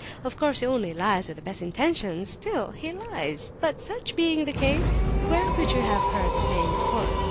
Of course, he only lies with the best intentions; still, he lies. But, such being the case, where could you have heard the same report?